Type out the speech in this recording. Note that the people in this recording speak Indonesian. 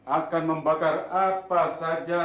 akan membakar apa saja